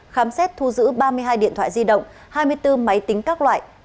khám xét thu giữ ba mươi hai điện thoại di động hai mươi bốn máy tính các loại